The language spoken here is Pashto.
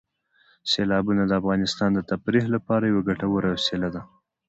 سیلابونه د افغانانو د تفریح لپاره یوه ګټوره وسیله ده.